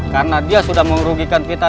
karena dia sudah merugikan kita